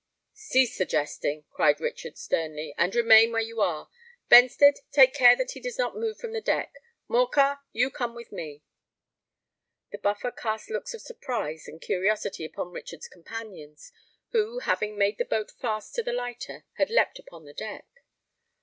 "Cease this jesting," cried Richard sternly; "and remain where you are. Benstead, take care that he does not move from the deck: Morcar, come you with me." The Buffer cast looks of surprise and curiosity upon Richard's companions, who, having made the boat fast to the lighter, had leapt upon the deck.